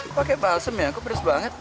lo pake balsam ya kok pedes banget